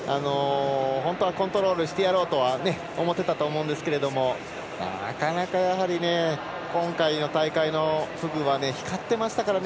本当はコントロールしてやろうとは思っていたと思うんですがなかなか今回の大会のフグは光ってましたからね。